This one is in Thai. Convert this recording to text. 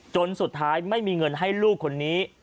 จนสุดท้ายไม่มีเงินให้ลูกคนนี้